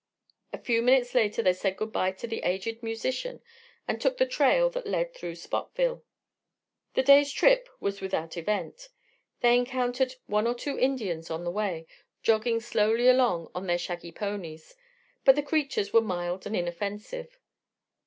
A few minutes later they said good bye to the aged musician and took the trail that led through Spotville. The day's trip was without event. They encountered one or two Indians on the way, jogging slowly along on their shaggy ponies; but the creatures were mild and inoffensive.